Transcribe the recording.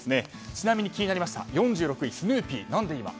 ちなみに気になった４６位スヌーピー何で今？